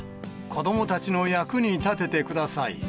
子どもたちの役に立ててください。